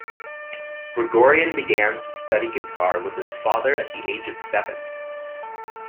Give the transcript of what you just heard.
Grigoryan began to study guitar with his father at the age of seven.